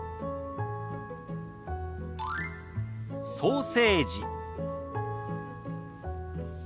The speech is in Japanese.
「ソーセージ」。